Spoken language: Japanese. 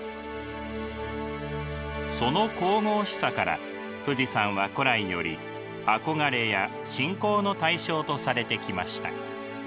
その神々しさから富士山は古来より憧れや信仰の対象とされてきました。